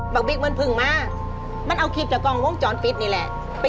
บิ๊กมันเพิ่งมามันเอาคลิปจากกล้องวงจรปิดนี่แหละ